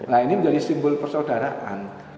nah ini menjadi simbol persaudaraan